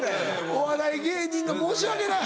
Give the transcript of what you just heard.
お笑い芸人が申し訳ない。